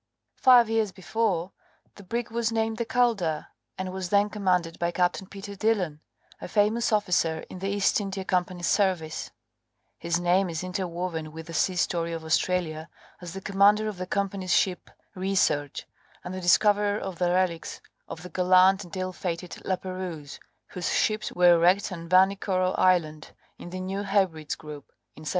Five years before, the brig was named the Calder, and was then commanded by Captain Peter Dillon, a famous officer in the East India Company's service; his name is interwoven with the sea story of Australia as the commander of the Company's ship Research, and the discoverer of the relics of the gallant and ill fated La Perouse, whose ships were wrecked on Vanikoro Island, in the New Hebrides group, in 1788.